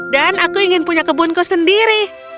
dan aku ingin punya kebunku sendiri